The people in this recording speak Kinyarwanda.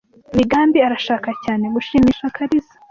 Migambi arashaka cyane gushimisha Kariza .